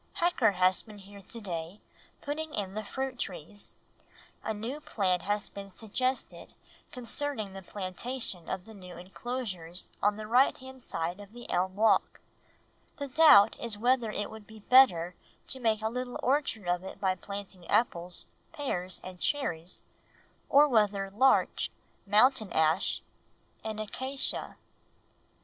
"Hacker has been here to day, putting in the fruit trees. A new plan has been suggested concerning the plantation of the new enclosures on the right hand side of the elm walk; the doubt is whether it would be better to make a little orchard of it by planting apples, pears, and cherries, or whether larch, mountain ash, and acacia."